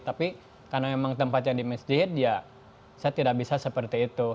tapi karena memang tempatnya di masjid ya saya tidak bisa seperti itu